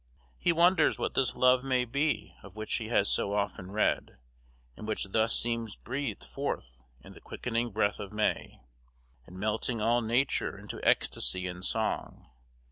He wonders what this love may be of which he has so often read, and which thus seems breathed forth in the quickening breath of May, and melting all nature into ecstasy and song.